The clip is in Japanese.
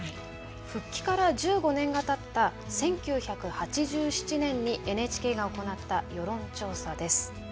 復帰から１５年がたった１９８７年にＮＨＫが行った世論調査です。